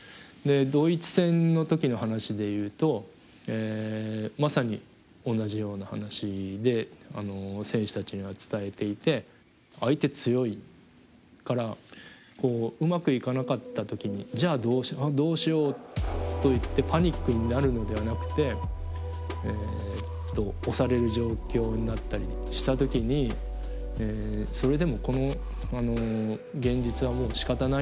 ドイツ戦の時の話でいうとまさに同じような話で選手たちには伝えていて相手強いからうまくいかなかった時にじゃあどうしようといってパニックになるのではなくてえっと押される状況になったりした時にそれでもこの現実はもうしかたないんだ。